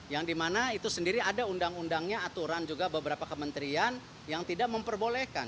yang dimana itu sendiri ada undang undangnya aturan juga beberapa kementerian yang tidak memperbolehkan